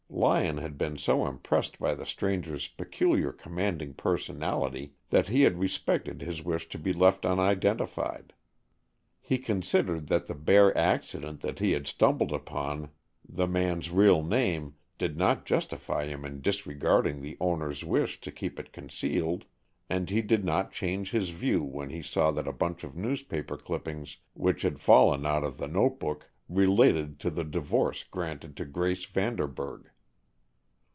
Lyon had been so impressed by the stranger's peculiarly commanding personality that he had respected his wish to be left unidentified. He considered that the bare accident that he had stumbled upon the man's real name did not justify him in disregarding the owner's wish to keep it concealed, and he did not change his view when he saw that a bunch of newspaper clippings which had fallen out of the note book related to the divorce granted to Grace Vanderburg.